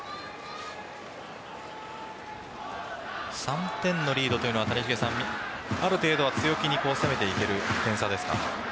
３点のリードというのはある程度は強気に攻めていける点差ですか？